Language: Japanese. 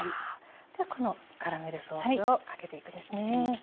ではこのカラメルソースをかけていくんですね。